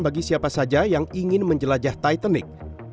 bagi siapa saja yang ingin menjelajah titanic